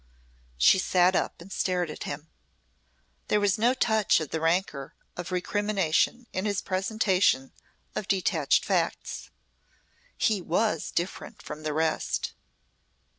She sat up and stared at him. There was no touch of the rancour of recrimination in his presentation of detached facts. He was different from the rest.